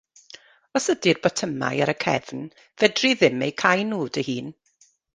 Os ydi'r botymau ar y cefn fedri ddim eu cau nhw dy hun.